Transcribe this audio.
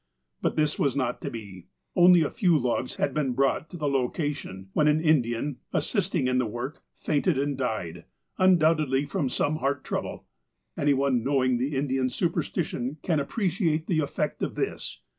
But this was not to be. Only a few logs had been brought to the location, when an Indian, assisting in the work, fainted and died, undoubtedly from some heart trouble. Any one knowing the Indian superstition can appreciate the effect of this.